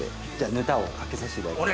ぬたをかけさせていただきます。